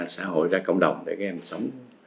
xã hội ra cộng đồng để các em sống